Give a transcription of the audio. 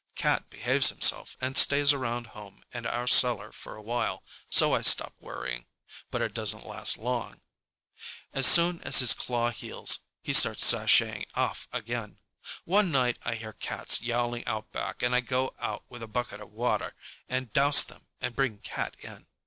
Cat behaves himself and stays around home and our cellar for a while, so I stop worrying. But it doesn't last long. As soon as his claw heals, he starts sashaying off again. One night I hear cats yowling out back and I go out with a bucket of water and douse them and bring Cat in.